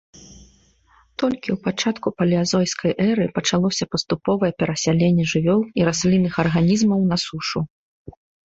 Толькі ў пачатку палеазойскай эры пачалося паступовае перасяленне жывёл і раслінных арганізмаў на сушу.